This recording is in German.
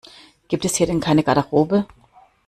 Gibt es hier denn keine Garderobe?